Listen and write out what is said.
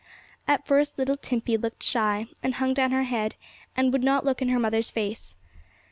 At first, Timpey looked a little shy, and hung down her head, and would not look in her mother's face.